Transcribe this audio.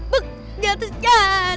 bek dia terus jahat